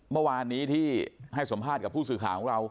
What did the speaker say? เมื่อวานนี้ที่ให้สัมภาษณ์กับผู้สื่อข่าวของเรา